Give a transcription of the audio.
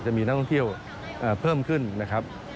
จะมีนักท่องเที่ยวเพิ่มขึ้นนะครับ